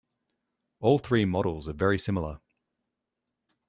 All three models are very similar.